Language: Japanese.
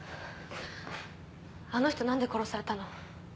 あの人なんで殺されたの？